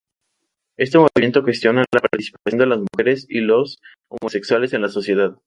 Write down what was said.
Este movimiento cuestiona la posición de las mujeres y los homosexuales en la sociedad.